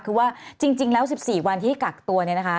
คือว่าจริงแล้ว๑๔วันที่กักตัวเนี่ยนะคะ